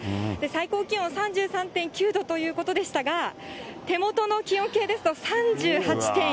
最高気温３３．９度ということでしたが、手元の気温計ですと、３８．１度。